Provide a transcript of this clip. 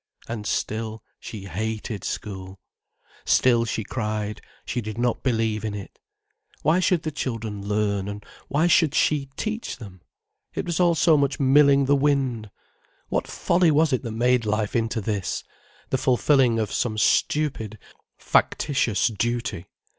And still, she hated school. Still she cried, she did not believe in it. Why should the children learn, and why should she teach them? It was all so much milling the wind. What folly was it that made life into this, the fulfilling of some stupid, factitious duty?